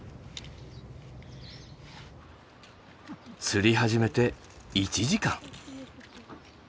釣り始めて１時間。